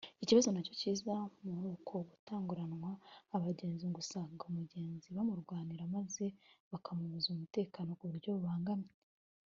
Ikibazo nacyo kiza muri uko gutanguranwa abagenzi ngo usanga umugenzi bamurwanira maze bakamubuza umutekano ku buryo bubangamye